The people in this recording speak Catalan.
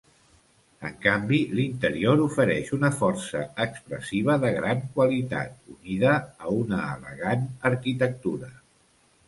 En canvi, l'interior ofereix una força expressiva de gran qualitat, unida a una elegant arquitectura.